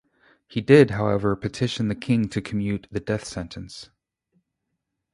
He did, however, petition the King to commute the death sentence.